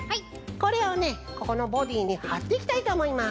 ここのボディーにはっていきたいとおもいます。